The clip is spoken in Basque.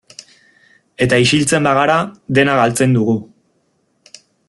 Eta isiltzen bagara, dena galtzen dugu.